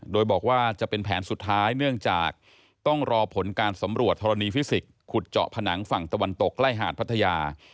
โดยบอกว่าจะเป็นแผนสุดท้ายเนื่องจากต้องรอผลการสำรวจธรณีฟิสิกส์ขุดเจาะผนังฝั่งตะวันตกใกล้หาดพัทยา